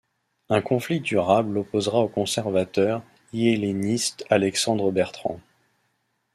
Un conflit durable l'opposera au conservateur, lhelléniste Alexandre Bertrand.